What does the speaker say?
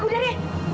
aku udah deh